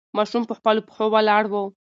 ماشوم په خپلو پښو ولاړ و.